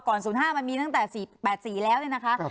๐๕มันมีตั้งแต่๘๔แล้วเนี่ยนะคะ